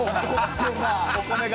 お米が。